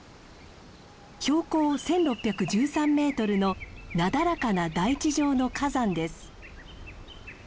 標高１，６１３メートルのなだらかな台地状の火山です。